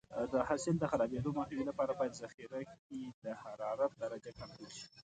د حاصل د خرابېدو مخنیوي لپاره باید ذخیره کې د حرارت درجه کنټرول شي.